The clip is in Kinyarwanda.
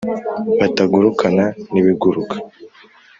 Batagurukana n'ibiguruka